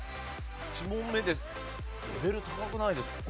１問目でレベル高くないですか？